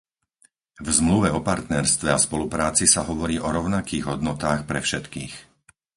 V Zmluve o partnerstve a spolupráci sa hovorí o rovnakých hodnotách pre všetkých.